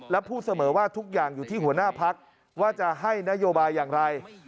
และพูดเสมอว่าทุกอย่างอยู่ที่หัวหน้าพักว่าจะให้นโยบายอย่างไร